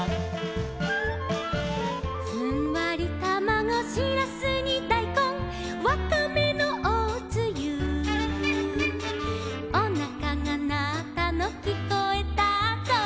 「ふんわりたまご」「しらすにだいこん」「わかめのおつゆ」「おなかがなったのきこえたぞ」